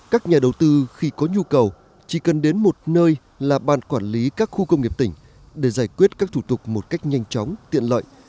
các nhà đầu tư khi có nhu cầu chỉ cần đến một nơi là ban quản lý các khu công nghiệp tỉnh để giải quyết các thủ tục một cách nhanh chóng tiện lợi